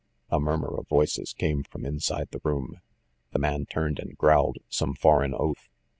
A murmur of voices came from inside the room. The man turned and growled some foreign oath.